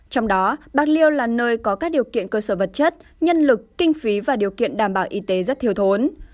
trong đó bạc liêu là nơi có các điều kiện cơ sở vật chất nhân lực kinh phí và điều kiện đảm bảo y tế rất thiếu thốn